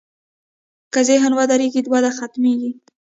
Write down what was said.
که ذهن ودرېږي، وده ختمېږي.